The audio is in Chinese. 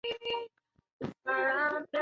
最近听说工厂要收掉了